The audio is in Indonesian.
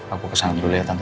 aku kesan dulu ya tante